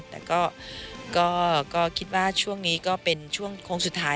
แต่ก็คิดว่าช่วงนี้ก็เป็นช่วงโค้งสุดท้าย